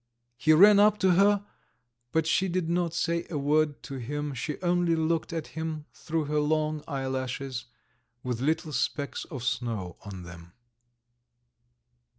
He ran up to her, but she did not say a word to him, she only looked at him through her long eyelashes with little specks of snow on them.